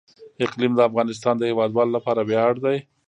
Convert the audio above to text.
اقلیم د افغانستان د هیوادوالو لپاره ویاړ دی.